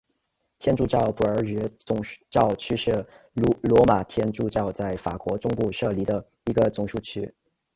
天主教布尔日总教区是罗马天主教在法国中部设立的一个总教区。